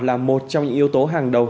là một trong những yếu tố hàng đầu